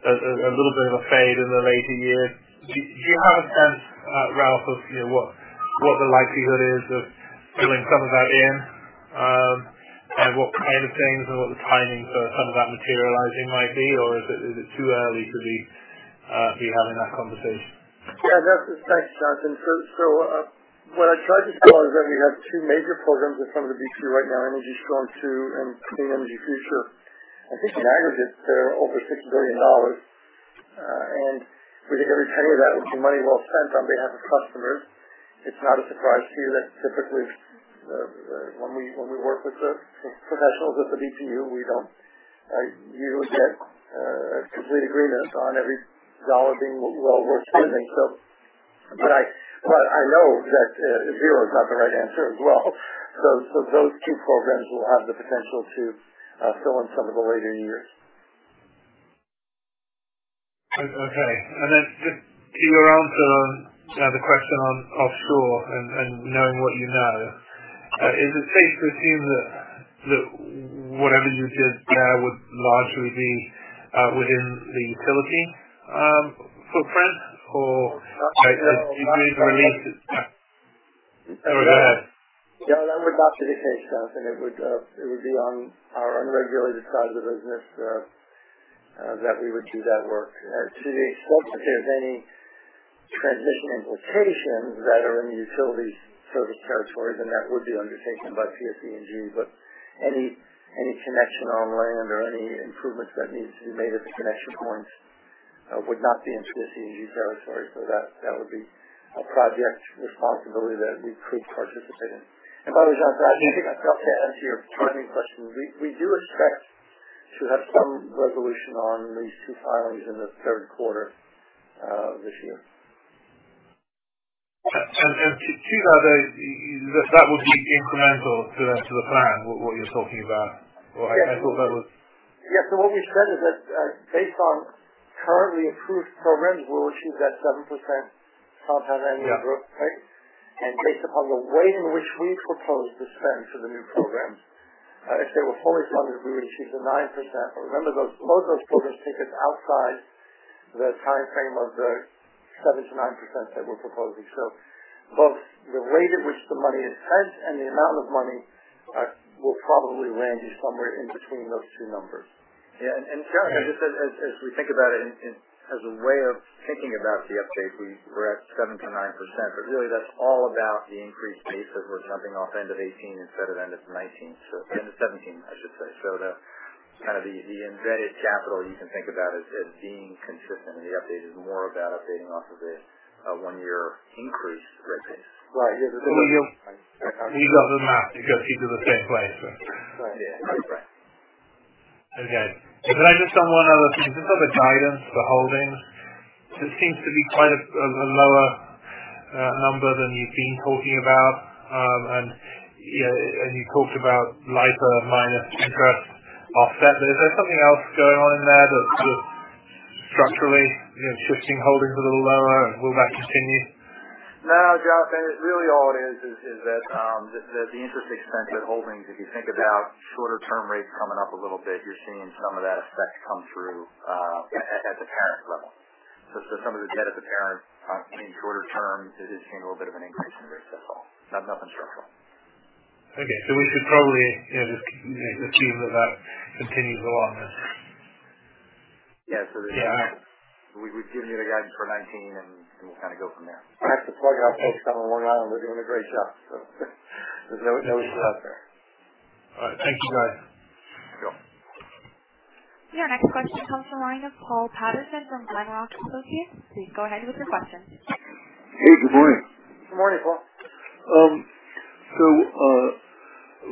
a little bit of a fade in the later years. Do you have a sense, Ralph, of what the likelihood is of filling some of that in? What kind of things and what the timing for some of that materializing might be? Is it too early to be having that conversation? Yeah. Thanks, Jonathan. What I tried to point out is that we have two major programs in front of the BPU right now, Energy Strong II and Clean Energy Future. I think in aggregate they're over $6 billion. We think every penny of that would be money well spent on behalf of customers. It's not a surprise to you that typically, when we work with the professionals at the BPU, we don't usually get complete agreement on every dollar being well worth spending. I know that zero is not the right answer as well. Those two programs will have the potential to fill in some of the later years. Okay. Just to your answer on the question on offshore and knowing what you know. Is it safe to assume that whatever you did there would largely be within the utility for PSEG? Or do you need to release No. Oh, go ahead. No, that would not be the case, Jonathan. It would be on our unregulated side of the business that we would do that work. To the extent that there's any transition implications that are in the utility service territory, that would be undertaken by PSE&G. Any connection on land or any improvements that need to be made at the connection points would not be in PSE&G territory. That would be a project responsibility that we could participate in. By the way, Jonathan, I think I forgot to answer your timing question. We do expect to have some resolution on these two filings in the third quarter of this year. To that would be incremental to the plan, what you're talking about or Yes. What we said is that based on currently approved programs, we'll achieve that 7% compound annual growth. Right. Based upon the way in which we propose to spend for the new programs, if they were fully funded, we would achieve the 9%. Remember, both those bonus targets outside the timeframe of the 7%-9% that we're proposing. Both the rate at which the money is spent and the amount of money will probably land you somewhere in between those two numbers. Yeah, Jon, as we think about it as a way of thinking about the update, we're at 7%-9%, really that's all about the increased pace that we're jumping off end of 2018 instead of end of 2019. End of 2017, I should say. The embedded capital you can think about as being consistent in the update is more about updating off of a one-year increased rate base. Right. He does the math because he's in the same place. Right. Yeah. Right. Okay. Can I just on one other thing, just on the guidance for holdings, this seems to be quite a lower number than you've been talking about. You talked about LIPA minus interest offset, but is there something else going on in there that's sort of structurally shifting holdings a little lower? Will that continue? No, Jon, I think really all it is that the interest expense at holdings, if you think about shorter-term rates coming up a little bit, you're seeing some of that effect come through at the parent level. Some of the debt of the parent in shorter term is seeing a little bit of an increase in rates, that's all. Nothing structural. Okay. We should probably just assume that continues along. Yeah. We've given you the guidance for 2019, and we'll go from there. I have to plug our folks down in Long Island. They're doing a great job, so there's no issue out there. All right. Thank you, guys. Sure. Your next question comes from the line of Paul Patterson from Glenrock Associates. Please go ahead with your question. Hey, good morning. Good morning, Paul.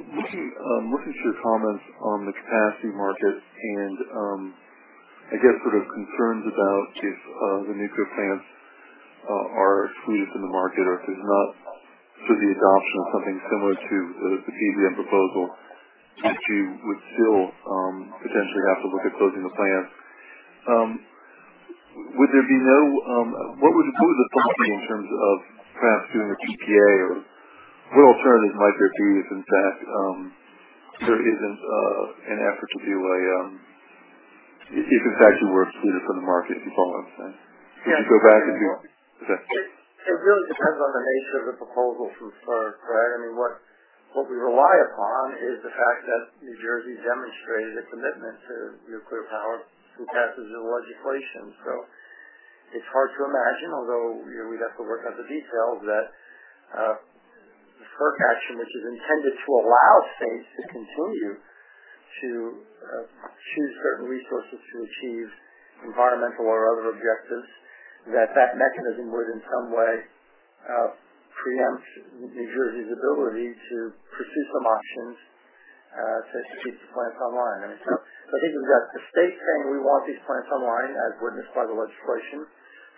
Looking at your comments on the capacity market and I guess sort of concerns about if the nuclear plants are excluded from the market or if there's not sort of the adoption of something similar to the PJM proposal, that you would still potentially have to look at closing the plant. What would the thought be in terms of perhaps doing a PPA or what alternatives might there be if, in fact, you were excluded from the market, if you follow what I'm saying. You can go back if you want. Okay. It really depends on the nature of the proposal from FERC, right? What we rely upon is the fact that New Jersey demonstrated a commitment to nuclear power through passages of legislation. It's hard to imagine, although we'd have to work out the details, that a FERC action, which is intended to allow states to continue to choose certain resources to achieve environmental or other objectives, that that mechanism would in some way preempt New Jersey's ability to pursue some options to keep the plants online. Even that the state saying, "We want these plants online," as witnessed by the legislation.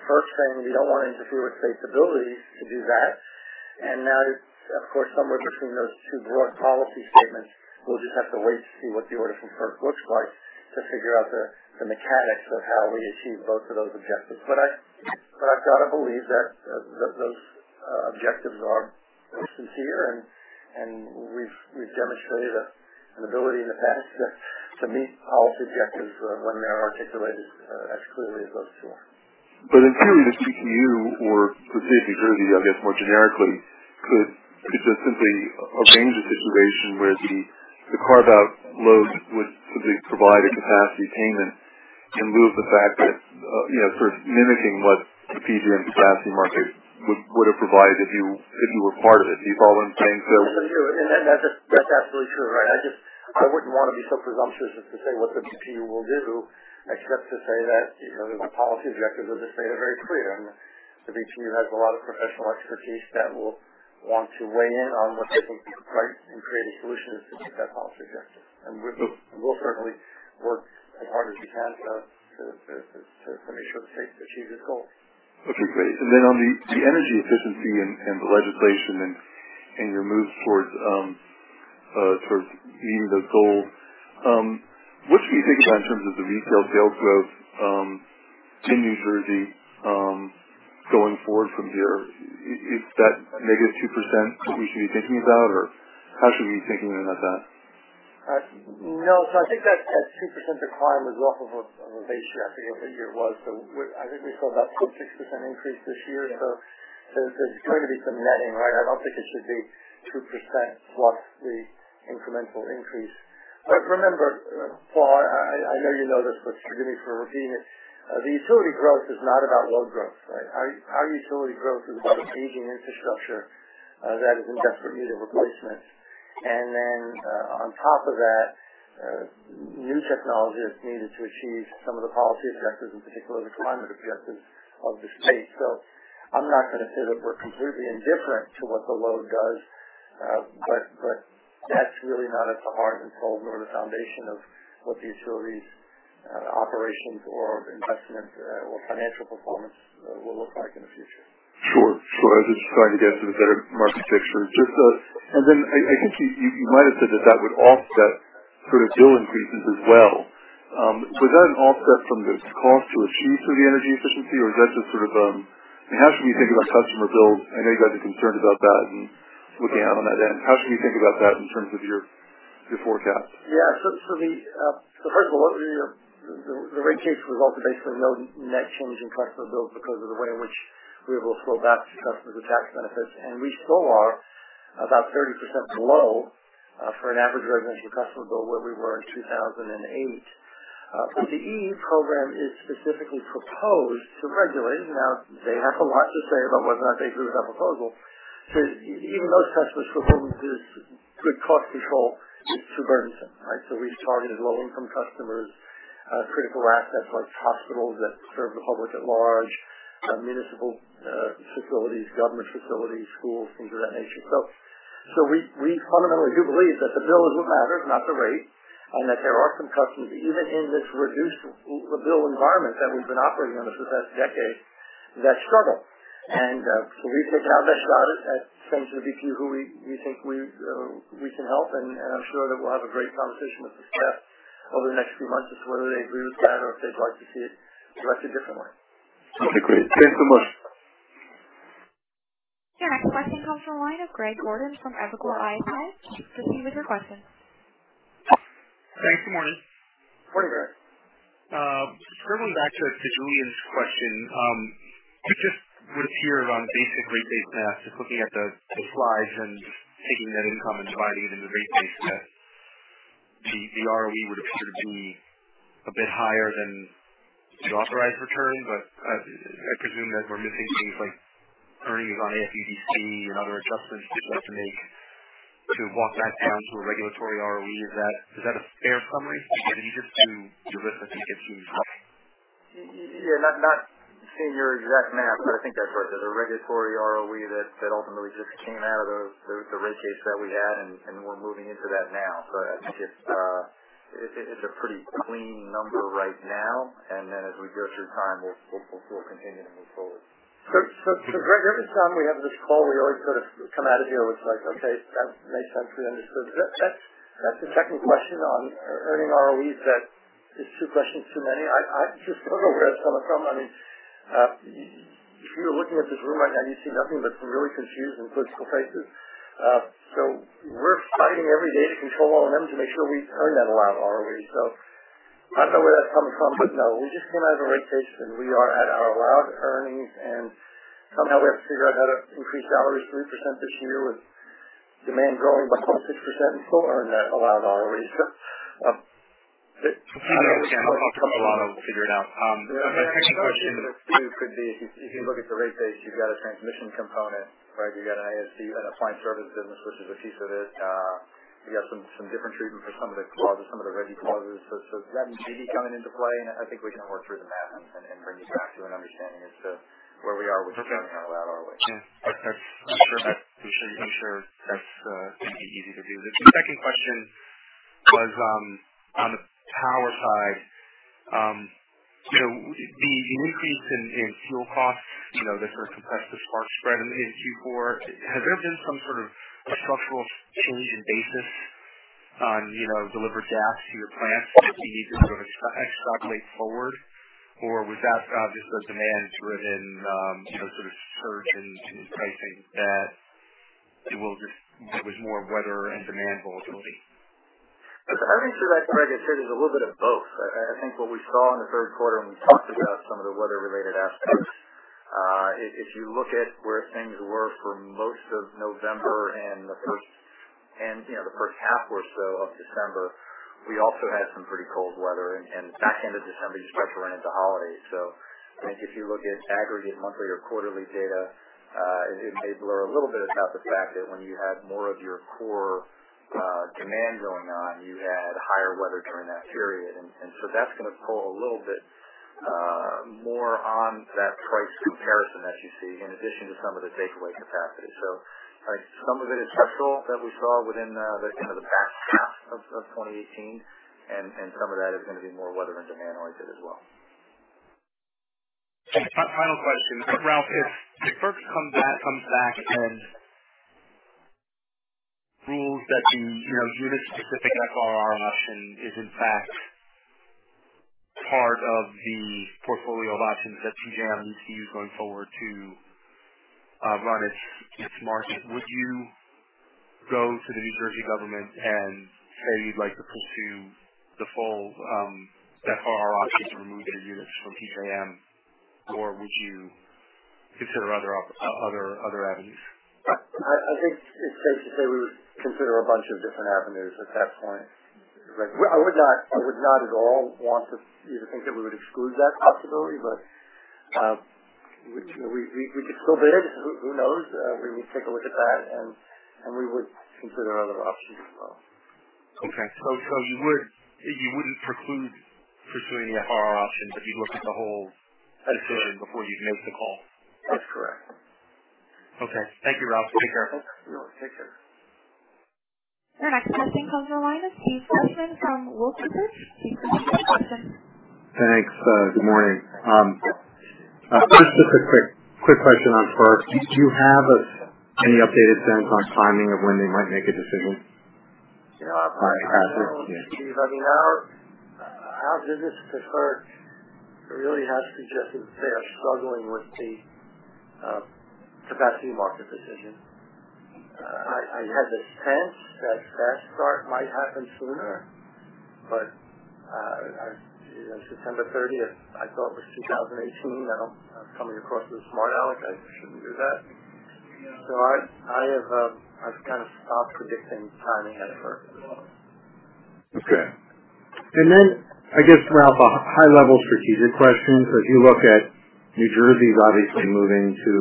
FERC saying, "We don't want to interfere with the state's ability to do that." Now, of course, somewhere between those two broad policy statements, we'll just have to wait to see what the order from FERC looks like to figure out the mechanics of how we achieve both of those objectives. I've got to believe that those objectives are both sincere, and we've demonstrated an ability in the past to meet policy objectives when they're articulated as clearly as those two are. In theory, the BPU or the state of New Jersey, I guess, more generically, could just simply arrange a situation where the carve-out load would simply provide a capacity payment in lieu of the fact that, sort of mimicking what the PJM capacity market would have provided if you were part of it. Do you follow what I'm saying? That's absolutely true, right. I wouldn't want to be so presumptuous as to say what the BPU will do except to say that the policy objectives of the state are very clear. The BPU has a lot of professional expertise that will want to weigh in on what they think is right in creating solutions to meet that policy objective. We'll certainly work as hard as we can to make sure the state achieves its goals. Okay, great. Then on the energy efficiency and the legislation and your moves towards sort of meeting the goal. What should we be thinking about in terms of the retail sales growth in New Jersey going forward from here? Is that a negative 2% we should be thinking about, or how should we be thinking about that? No. I think that 2% decline was off of a base year. I forget what the year was. I think we saw about a 2% to 6% increase this year. There's going to be some netting, right? I don't think it should be 2% plus the incremental increase. Remember, Paul, I know you know this, but forgive me for repeating it. The utility growth is not about load growth, right? Our utility growth is about aging infrastructure that is in desperate need of replacement. Then on top of that, new technology that's needed to achieve some of the policy objectives, in particular the climate objectives of the state. I'm not going to say that we're completely indifferent to what the load does. That's really not at the heart and soul nor the foundation of what the utility does. Operations or investment or financial performance will look like in the future. Sure. I was just trying to get to the better market picture. I think you might have said that would offset sort of bill increases as well. Is that an offset from the cost to achieve the energy efficiency? How should we think about customer bills? I know you've got the concern about that and looking out on that end. How should we think about that in terms of your forecast? Yeah. First of all, the rate case resulted in basically no net change in customer bills because of the way in which we were able to flow back to customers the tax benefits. We still are about 30% below, for an average residential customer bill, where we were in 2008. The EE program is specifically proposed to the regulator. They have a lot to say about whether or not they agree with that proposal. Even those customers for whom this good cost control is burdensome. We've targeted low-income customers, critical assets like hospitals that serve the public at large, municipal facilities, government facilities, schools, things of that nature. We fundamentally do believe that the bill is what matters, not the rate, and that there are some customers, even in this reduced bill environment that we've been operating under for the past decade, that struggle. We've taken our best shot at it thanks to the BPU who we think we can help. I'm sure that we'll have a great conversation with the staff over the next few months as to whether they agree with that or if they'd like to see it directed differently. Okay, great. Thanks so much. Your next question comes from the line of Greg Gordon from Evercore ISI. Proceed with your question. Thanks. Good morning. Morning, Greg. Circling back to Julien's question. Just with here on basic rate base math, just looking at the slides and taking that income and dividing it into rate base math, the ROE would appear to be a bit higher than the authorized return. I presume that we're missing things like earnings on AFUDC and other adjustments you'd have to make to walk that down to a regulatory ROE. Is that a fair summary? I mean, it appears to be a bit too easy. Yeah. Not seeing your exact math, I think that's right. The regulatory ROE that ultimately just came out of the rate case that we had, we're moving into that now. I think it's a pretty clean number right now, then as we go through time, we'll continue to move forward. Greg, every time we have this call, we always sort of come out of here with like, okay, that makes sense. We understood. That's a technical question on earning ROEs that is two questions too many. I just don't know where that's coming from. If you were looking at this room right now, you'd see nothing but some really confused and political faces. We're fighting every day to control all of them to make sure we earn that allowed ROE. I don't know where that's coming from. No, we just came out of the rate case, and we are at our allowed earnings, and somehow we have to figure out how to increase salaries 3% this year with demand growing by +6% and still earn that allowed ROE. I'll trust Ralph will figure it out. I've got a second question. It could be, if you look at the rate base, you've got a transmission component, right? You've got an ASC, an applied service business, which is a piece of it. You got some different treatment for some of the clauses, some of the RGGI clauses. That may be coming into play, and I think we can work through the math and bring you back to an understanding as to where we are with the earning allowed ROE. Yeah. I'm sure that's going to be easy to do. The second question was on the power side. The increase in fuel costs that sort of compressed the spark spread in Q4, has there been some sort of structural change in basis on delivered gas to your plants that you need to sort of extrapolate forward? Or was that just a demand-driven sort of surge in pricing that was more weather and demand volatility? I think, Greg, I'd say there's a little bit of both. I think what we saw in the third quarter, and we talked about some of the weather-related aspects. If you look at where things were for most of November and the first half or so of December, we also had some pretty cold weather. Back end of December, you start to run into holidays. I think if you look at aggregate monthly or quarterly data, it may blur a little bit about the fact that when you had more of your core demand going on, you had higher weather during that period. That's going to pull a little bit more on that price comparison that you see in addition to some of the takeaway capacity. I think some of it is structural that we saw within the end of the past half of 2018, and some of that is going to be more weather and demand-related as well. Final question. Ralph, if FERC comes back and rules that the unit-specific FRR option is in fact part of the portfolio of options that PJM needs to use going forward to run its market, would you go to the New Jersey government and say you'd like to pursue the full FRR option to remove their units from PJM? Or would you consider other avenues? I think it's safe to say we would consider a bunch of different avenues at that point. I would not at all want you to think that we would exclude that possibility, but we could still bid. Who knows? We need to take a look at that, and we would consider other options as well. Okay. You wouldn't preclude pursuing the FRR option, but you'd look at the whole decision before you'd make the call? That's correct. Okay. Thank you, Ralph. Take care. You know it. Take care. The next question comes on the line is Steve Fleishman from Wolfe Research. Steve, your line is open. Thanks. Good morning. Just a quick question on FERC. Do you have any updated sense on timing of when they might make a decision? I don't, Steve. Our business with FERC really has suggested they are struggling with the capacity market decision. I had the sense that fast start might happen sooner, but September 30th, I thought was 2018. Now I'm coming across as a smart alec. I shouldn't do that. I've kind of stopped predicting timing at FERC. Okay. I guess, Ralph, a high-level strategic question. If you look at New Jersey is obviously moving to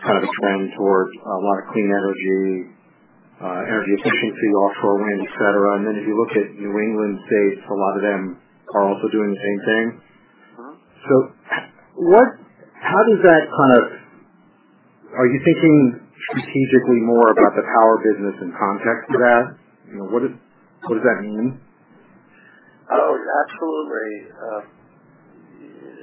a trend towards a lot of clean energy efficiency, offshore wind, et cetera. If you look at New England states, a lot of them are also doing the same thing. Are you thinking strategically more about the power business in context to that? What does that mean? Absolutely.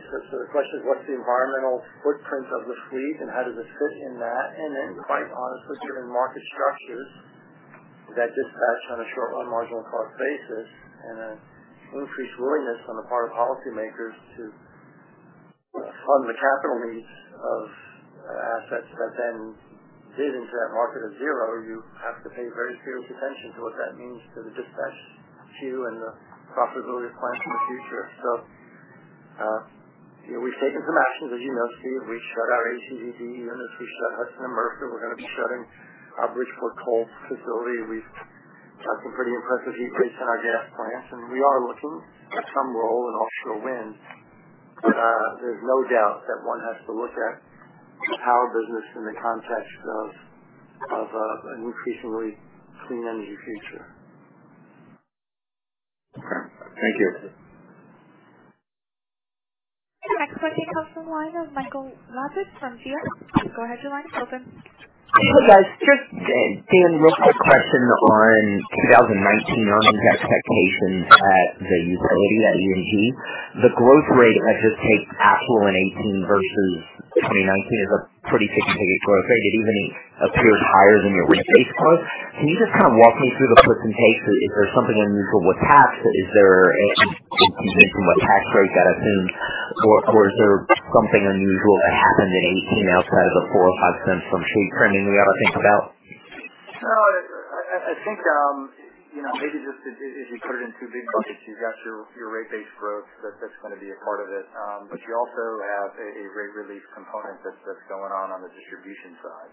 The question is, what's the environmental footprint of the fleet, and how does this fit in that? Quite honestly, given market structures that dispatch on a short-run marginal cost basis and an increased willingness on the part of policymakers to fund the capital needs of assets that then bid into that market of zero, you have to pay very serious attention to what that means to the dispatch queue and the profitability of plants in the future. We've taken some actions, as you know, Steve. We shut our HEV units, we shut Hudson and Mercer. We're going to be shutting our Bridgeport coal facility. We've got some pretty impressive decrease in our gas plants, and we are looking at some role in offshore wind. There's no doubt that one has to look at the power business in the context of an increasingly Clean Energy Future. Okay. Thank you. The next question comes from the line of Michael Lapides from GS. Go ahead, your line is open. Hey, guys. Just a quick question on 2019 earnings expectations at the utility, at PSE&G. The growth rate, if I just take actual in 2018 versus 2019, is a pretty significant growth rate. It even appears higher than your rate base growth. Can you just walk me through the puts and takes? Is there something unusual with tax? Is there a big change in what tax rate got assumed, or is there something unusual that happened in 2018 outside of the $0.04 or $0.05 from [shade trending] we ought to think about? No, I think, maybe just if you put it in two big buckets, you've got your rate base growth. That's going to be a part of it. You also have a rate relief component that's going on the distribution side.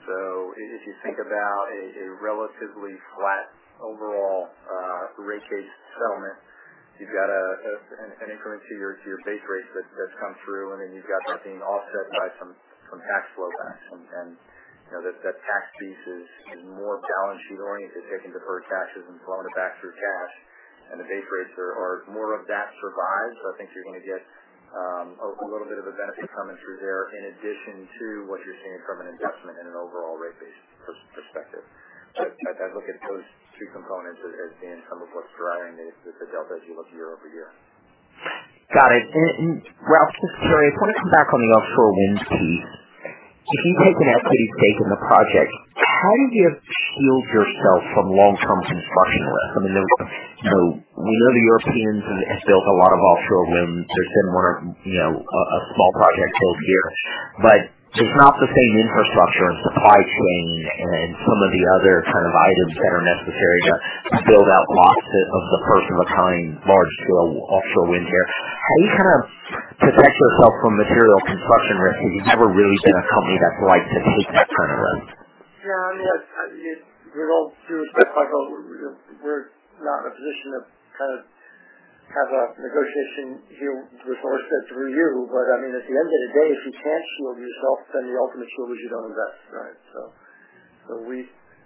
If you think about a relatively flat overall rate-based settlement, you've got an increment to your base rates that's come through, and then you've got that being offset by some tax flow-backs. That tax piece is more balanced. You don't need to take and defer taxes and flow them back through cash. The base rates are more of that survives. I think you're going to get a little bit of a benefit coming through there in addition to what you're seeing from an investment in an overall rate base perspective. I'd look at those two components as being some of what's driving the delta as you look year-over-year. Got it. Ralph, just very quickly, I want to come back on the offshore winds piece. If you take an equity stake in the project, how do you shield yourself from long-term construction risk? We know the Europeans have built a lot of offshore wind. There's been a small project built here. It's not the same infrastructure and supply chain and some of the other items that are necessary to build out lots of the first-of-a-kind large-scale offshore wind here. How do you protect yourself from material construction risk if you've never really been a company that likes to take that kind of risk? Yeah. To a certain extent, Michael, we're not in a position to have a negotiation here with Ørsted through you. At the end of the day, if you can't shield yourself, then the ultimate shield is you don't invest. Right.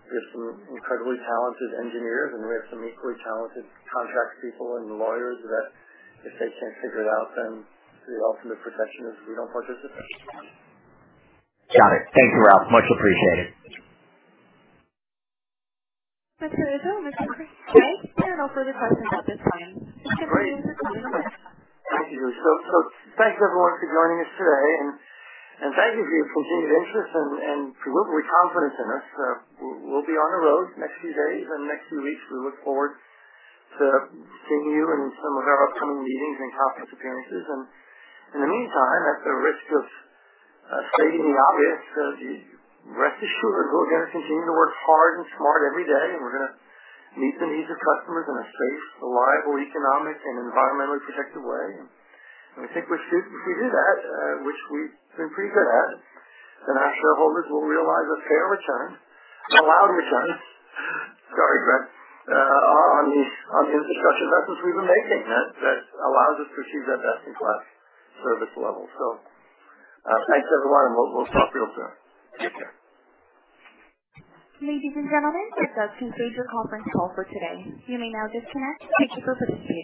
There's some incredibly talented engineers, and we have some equally talented contract people and lawyers that if they can't figure it out, then the ultimate protection is we don't participate. Got it. Thank you, Ralph. Much appreciated. Mr. Izzo, Mr. Cregg, [inaudible] there are no further questions at this time. Mr. Izzo, the floor is yours. Thank you. Thanks, everyone, for joining us today, and thank you for your continued interest and, presumably, confidence in us. We'll be on the road the next few days and next few weeks. We look forward to seeing you in some of our upcoming meetings and conference appearances. In the meantime, at the risk of stating the obvious, rest assured we're going to continue to work hard and smart every day, and we're going to meet the needs of customers in a safe, reliable, economic, and environmentally protective way. We think if we do that, which we've been pretty good at, then our shareholders will realize a fair return, an allowed return. Sorry, Cregg. On the investments we've been making that allows us to achieve that best-in-class service level. Thanks, everyone, and we'll talk real soon. Take care. Ladies and gentlemen, this does conclude your conference call for today. You may now disconnect. Thank you for participating.